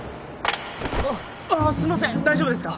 あっああすいません大丈夫ですか？